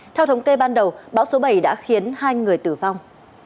theo thống kê ban đầu bão số bảy đã khiến hai người tử vong